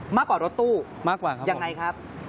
มากกว่ารถตู้อย่างไรครับมากกว่าครับ